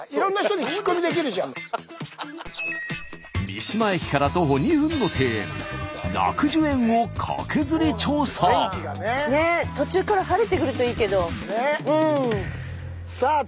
三島駅から徒歩２分の庭園楽寿園を途中から晴れてくるといいけど。